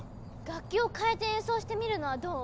楽器をかえて演奏してみるのはどう？